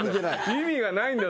意味がないんだよ